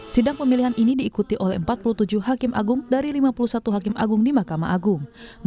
sidang pemilihan ini diikuti oleh empat puluh tujuh hakim agung dari lima puluh satu hakim agung di mahkamah agung